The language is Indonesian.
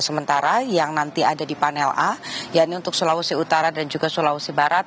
sementara yang nanti ada di panel a yaitu untuk sulawesi utara dan juga sulawesi barat